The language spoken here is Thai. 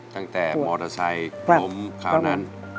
ตั้งแต่มอเตอร์ไซค์ล้มคราวนั้น